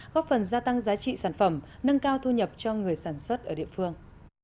góp phần gia tăng giá trị sản phẩm nâng cao thu nhập cho người sản xuất ở địa phương